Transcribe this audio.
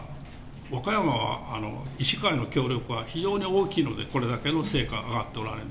和歌山は医師会の協力は非常に大きいので、これだけの成果が上がっておられる。